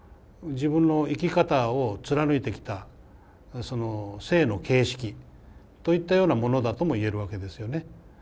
自分の生き方を貫いてきた「生の形式」といったようなものだとも言えるわけですよね。